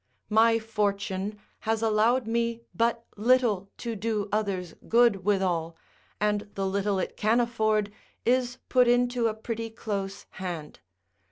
My fortune has allowed me but little to do others good withal, and the little it can afford, is put into a pretty close hand.